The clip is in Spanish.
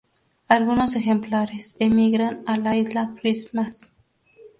Algunos ejemplares emigran a la Isla Christmas.